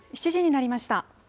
７時になりました。